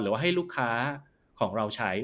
ว่าให้ลูกค้าของเราใช้